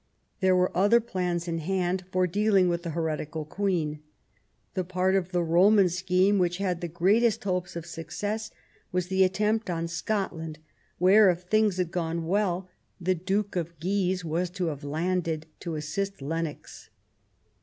There were other plans in hand for dealing with the heretical Queen. The part of the Roman scheme which had the greatest hopes of success was the attempt on Scotland, where, if things had gone well, the Duke of Guise was to have landed to assist Lennox.